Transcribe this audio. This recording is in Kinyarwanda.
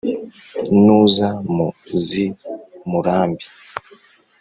Nuza mu z’i Murambi,